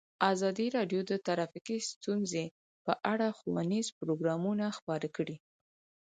ازادي راډیو د ټرافیکي ستونزې په اړه ښوونیز پروګرامونه خپاره کړي.